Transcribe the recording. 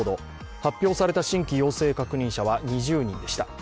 発表された新規陽性確認者は２０人でした。